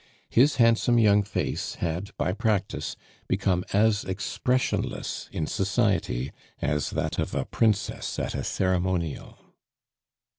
His handsome young face had, by practice, become as expressionless in society as that of a princess at a ceremonial.